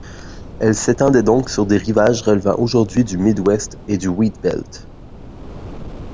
Elle s'étendait donc sur des rivages relevant aujourd'hui du Mid West et du Wheatbelt.